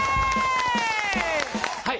はい。